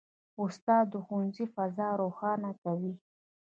استاد د ښوونځي فضا روښانه کوي.